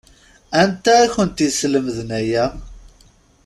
Anta i kent-yeslemden aya?